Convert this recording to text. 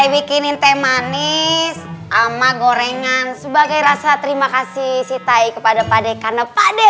bikinin teh manis ama gorengan sebagai rasa terima kasih sitaik kepada pade karena pade